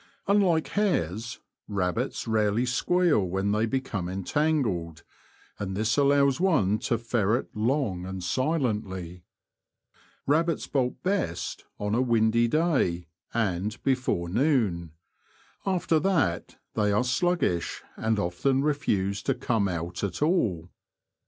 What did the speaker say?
Unlike hares, rabbits rarely squeal when they The Confessions of a Poacher, 127 become entangled ; and this allows one to ferret long and silently. Rabbits bolt best on a windy day and before noon ; after that they are sluggish and often refuse to come out at all.